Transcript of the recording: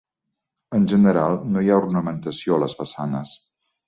En general no hi ha ornamentació a les façanes.